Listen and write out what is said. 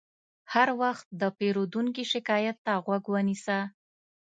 هر وخت د پیرودونکي شکایت ته غوږ ونیسه.